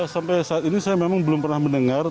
sampai saat ini saya memang belum pernah mendengar